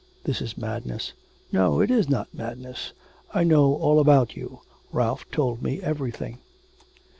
'This is madness.' 'No, it is not madness. I know all about you, Ralph told me everything.'